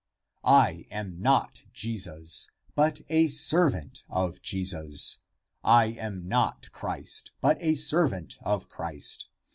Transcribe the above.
1 60. "I am not Jesus, but a servant of Jesus. I am not Christ, but a servant of Christ.